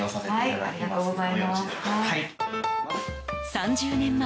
３０年前